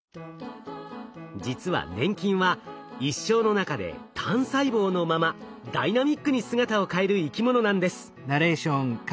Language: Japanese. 実は粘菌は一生の中で単細胞のままダイナミックに姿を変える生き物なんです。